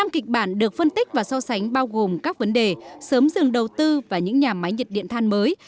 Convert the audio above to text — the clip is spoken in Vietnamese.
năm kịch bản được phân tích và so sánh bao gồm các vấn đề sớm dừng đầu tư và những nhà máy nhiệt điện than mới